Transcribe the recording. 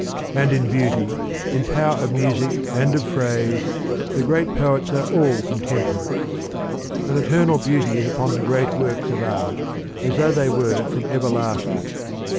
And in beauty, in power of music and of phrase, the great poets are all contemporaries : an eternal beauty is upon the great works of art, as though they were from everlasting.